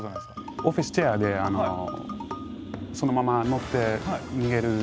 オフィスチェアでそのまま乗って逃げる。